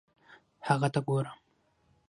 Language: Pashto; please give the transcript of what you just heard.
هغه ته ګورم